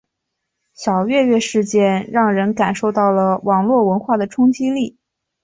小月月事件让人感受到了网络文化的冲击力。